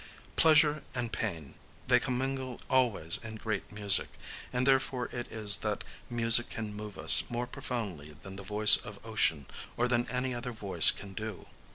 Pleasure and pain: they commingle always in great music; and therefore it is that music can move us more profoundly than the voice of ocean or than any other voice can do.